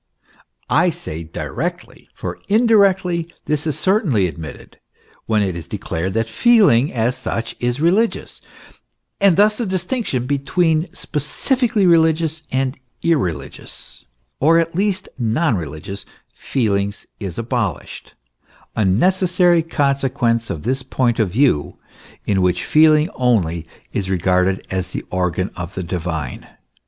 I say directly; for indirectly this is certainly admitted, when it is declared that feeling, as such, is religious, and thus the distinction between specifically religious and irreligious, or at least non reli gious, feelings, is abolished, a necessary consequence of the point of view in which feeling only is regarded as the organ of the divine.